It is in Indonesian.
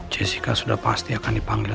jessica sudah pasti akan dipanggil